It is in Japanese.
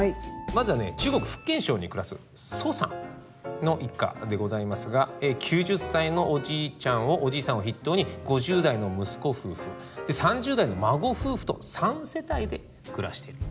まずは中国福建省に暮らす蘇さんの一家でございますが９０歳のおじいさんを筆頭に５０代の息子夫婦３０代の孫夫婦と３世帯で暮らしている。